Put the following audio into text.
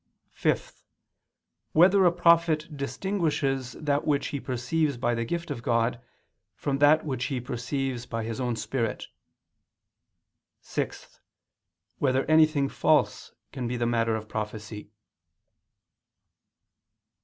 (5) Whether a prophet distinguishes that which he perceives by the gift of God, from that which he perceives by his own spirit? (6) Whether anything false can be the matter of prophecy?